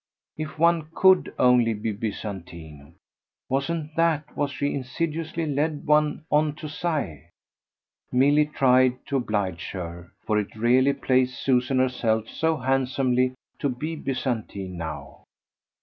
If one COULD only be Byzantine! wasn't THAT what she insidiously led one on to sigh? Milly tried to oblige her for it really placed Susan herself so handsomely to be Byzantine now.